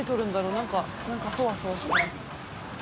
何かそわそわしてる。